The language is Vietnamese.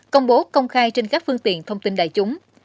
công bố công khai trên các phương tiện thông tin đại chúng